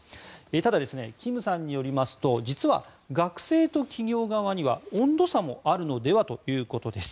ただ、キムさんによりますと実は学生と企業側には温度差もあるのではということです。